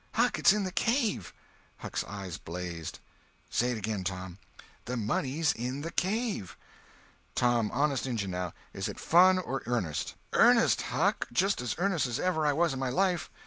"Huck, it's in the cave!" Huck's eyes blazed. "Say it again, Tom." "The money's in the cave!" "Tom—honest injun, now—is it fun, or earnest?" "Earnest, Huck—just as earnest as ever I was in my life.